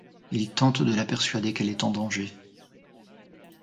Il tente de la persuader qu'elle est en danger.